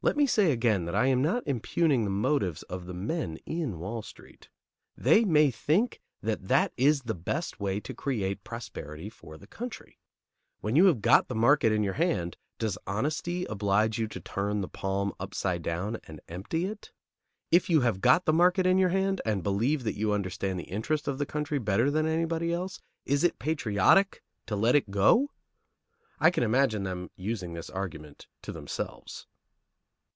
Let me say again that I am not impugning the motives of the men in Wall Street. They may think that that is the best way to create prosperity for the country. When you have got the market in your hand, does honesty oblige you to turn the palm upside down and empty it? If you have got the market in your hand and believe that you understand the interest of the country better than anybody else, is it patriotic to let it go? I can imagine them using this argument to themselves.